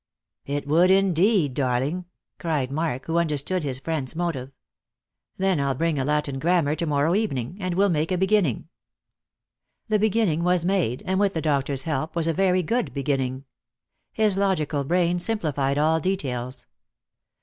" It would indeed, darling," cried Mark, who understood his friend's motive. "Then I'll bring a Latin grammar to morrow evening, and we'll make a beginning." The beginning was made, and with the doctor's help was a very good beginning. His logical brain simplified all details.